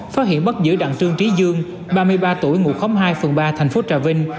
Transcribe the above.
phát hiện bất giữ đặn trương trí dương ba mươi ba tuổi ngủ khóng hai phường ba thành phố trà vinh